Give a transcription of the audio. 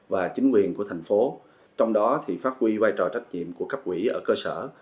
và chính quyền của thành phố trong đó thì phát huy vai trò trách nhiệm của các quỹ ở cơ sở